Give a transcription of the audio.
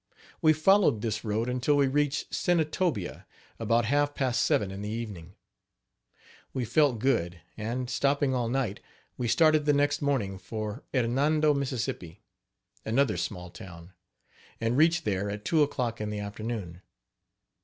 We followed this road until we reached Senatobia, about half past seven in the evening. We felt good, and, stopping all night, we started the next morning for Hernando, Miss., another small town, and reached there at two o'clock in the afternoon.